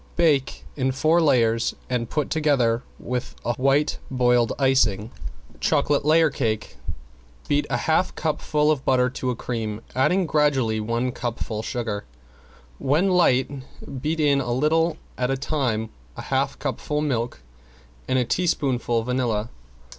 Bake in four layers and put together with a white boiled icing. ~CHOCOLATE LAYER CAKE~ Beat a half cupful butter to a cream, adding gradually one cupful sugar. When light beat in a little at a time, a half cupful milk and a teaspoonful vanilla.